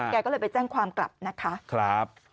แกก็เลยไปแจ้งความกลับนะคะ